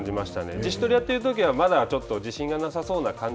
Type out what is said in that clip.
自主トレをやっているときはまだ、ちょっと自信がなさそうな感じ